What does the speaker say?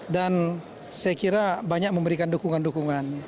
dan saya kira banyak memberikan dukungan dukungan